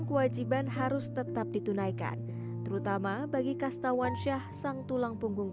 kewajiban harus tetap ditunaikan terutama bagi kastawan syah sang tulang punggung